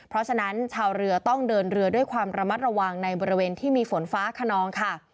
เพราะฉะนั้นชาวเรือต้องเดินเรือด้วยความระมัดระวังในบริเวณที่มีฝนฟ้าขนองค่ะ